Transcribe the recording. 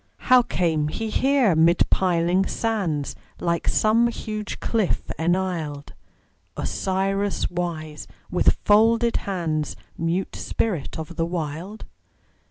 How came he here mid piling sands, Like some huge cliff enisled, Osiris wise, with folded hands, Mute spirit of the Wild?